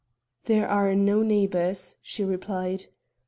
"There are no neighbors," she replied.